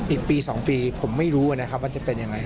อีกปี๒ปีผมไม่รู้นะครับว่าจะเป็นยังไง